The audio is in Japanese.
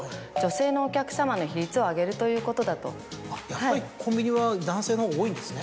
やっぱりコンビニは男性の方が多いんですね。